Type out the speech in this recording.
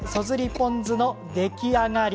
ポン酢の出来上がり。